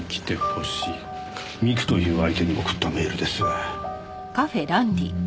ミクという相手に送ったメールです。